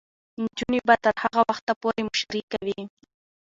نجونې به تر هغه وخته پورې مشري کوي.